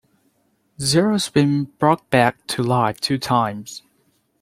Zero's been brought back to life two times!